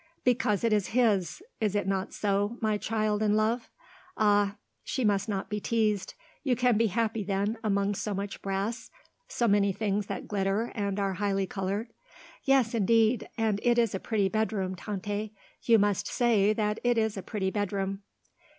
"Because it is his, is it not so, my child in love? Ah, she must not be teased. You can be happy, then, among so much brass? so many things that glitter and are highly coloured?" "Yes, indeed. And it is a pretty bedroom, Tante. You must say that it is a pretty bedroom?"